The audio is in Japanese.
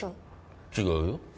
違うよ。